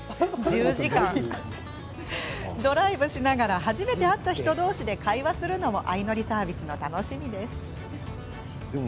ドライブしながら初めて会った人同士会話するのも相乗りサービスの楽しみ。